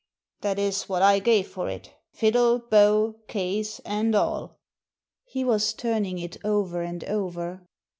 "That is what I gave for it — fiddle, bow, case, and alL" He was turning it over and over.